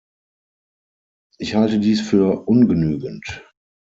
Ich halte dies für ungenügend.